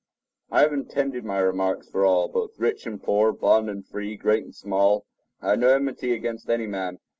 I have intended my remarks for all, both rich and poor, bond and free, great and small. I have no enmity against any man.